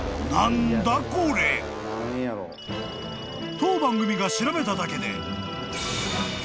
［当番組が調べただけで］